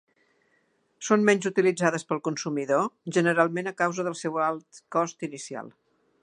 Són menys utilitzades pel consumidor, generalment a causa del seu alt cost inicial.